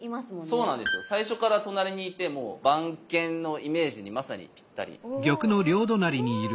そうなんですよ最初から隣にいてもう番犬のイメージにまさにピッタリですね。